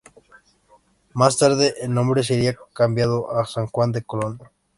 Más tarde el nombre seria cambiado a San juan de Colón.